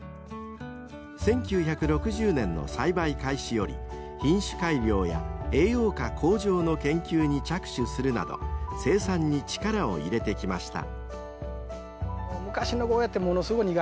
［１９６０年の栽培開始より品種改良や栄養価向上の研究に着手するなど生産に力を入れてきました］